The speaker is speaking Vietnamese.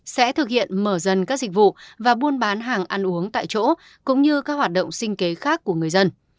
sẽ thực hiện mở dần các dịch vụ và buôn bán hàng ăn uống tại chỗ cũng như các hoạt động sinh kế khác của người dân